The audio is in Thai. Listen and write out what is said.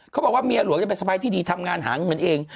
เขาบอกว่าเมียหลวงจะเป็นสบายที่ดีทำงานหาเงินเอง